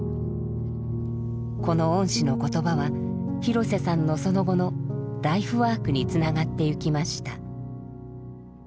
この恩師の言葉は廣瀬さんのその後のライフワークにつながってゆきました。